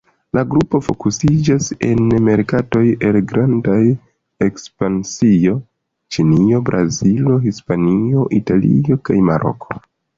La grupo fokusiĝas en merkatoj el granda ekspansio: Ĉinio, Brazilo, Hispanio, Italio kaj Maroko.